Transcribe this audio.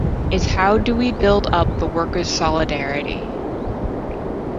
It’s how do we build up the workers’ solidarity.